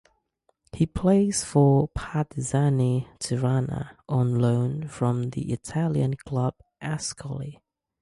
He plays for Partizani Tirana on loan from the Italian club Ascoli.